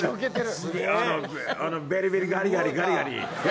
あのベリーベリーガリガリガリガリ。